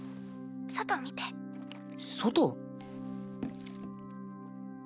外見て」外？